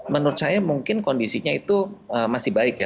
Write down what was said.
menurut saya mungkin kondisinya itu masih baik ya